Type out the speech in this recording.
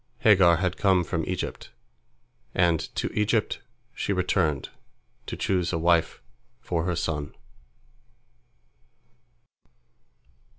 Hagar had come from Egypt, and to Egypt she returned, to choose a wife for her son.